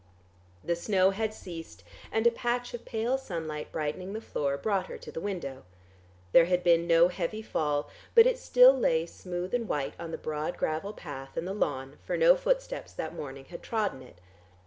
The snow had ceased, and a patch of pale sunlight brightening the floor brought her to the window. There had been no heavy fall, but it still lay smooth and white on the broad gravel path and the lawn, for no footsteps that morning had trodden it.